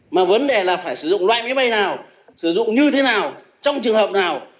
mà vấn đề là phải sử dụng loại máy bay nào sử dụng như thế nào trong trường hợp nào